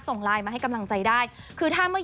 ส่งมาให้โอโนเฟอร์เรเวอร์